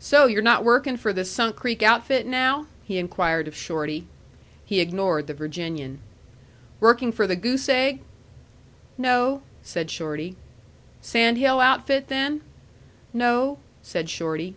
"So you're not working for the Sunk Creek outfit now?" he inquired of Shorty. He ignored the Virginian. "Working for the Goose Egg?" "No," said Shorty. "Sand Hill outfit, then?" "No," said Shorty.